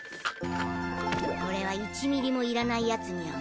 これは１ミリもいらないやつニャン。